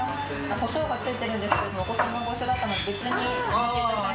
こしょうが付いてるんですけど、お子様ご一緒だったので、別にしました。